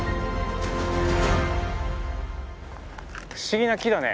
不思議な木だね。